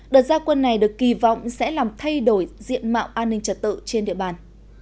đợt gia quân này được kỳ vọng sẽ làm thay đổi diện mạo an ninh trật tự trên địa bàn